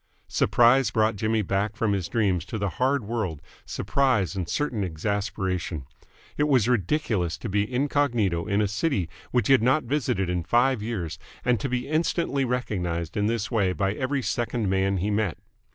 Surprise brought Jimmy back from his dreams to the hard world surprise and a certain exasperation. It was ridiculous to be incognito in a city which he had not visited in five years and to be instantly recognised in this way by every second man he met.